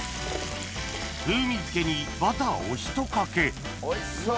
風味づけにバターをひとかけおいしそう！